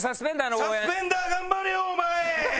サスペンダー頑張れよお前！